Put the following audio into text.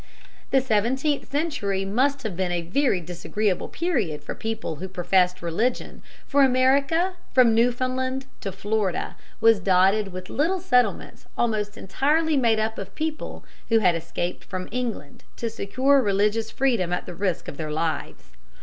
] The seventeenth century must have been a very disagreeable period for people who professed religion, for America from Newfoundland to Florida was dotted with little settlements almost entirely made up of people who had escaped from England to secure religious freedom at the risk of their lives.